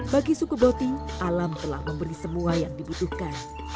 bagi suku boti alam telah memberi semua yang dibutuhkan